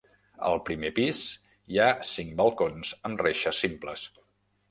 Al primer pis hi ha cinc balcons amb reixes simples.